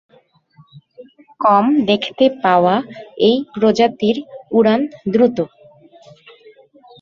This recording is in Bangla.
কম দেখতে পাওয়া এই প্রজাতির উড়ান দ্রুত।